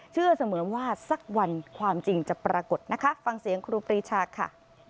เชื่อเสมอว่าสักวันความจริงจะปรากฏนะคะฟังเสียงครูปรีชาค่ะ